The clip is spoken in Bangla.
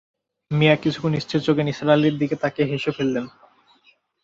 মিয়া কিছুক্ষণ স্থির চোখে নিসার আলির দিকে তাকিয়ে হেসে ফেললেন।